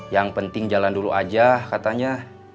yang penting jalan dulu aja katanya